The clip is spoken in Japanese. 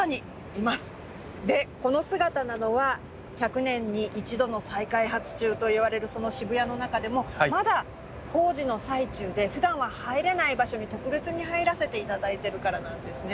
でこの姿なのは１００年に一度の再開発中といわれるその渋谷の中でもまだ工事の最中でふだんは入れない場所に特別に入らせて頂いてるからなんですね。